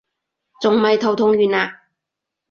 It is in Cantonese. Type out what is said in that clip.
仲未頭痛完啊？